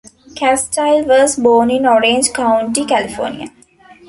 Castile was born in Orange County, California.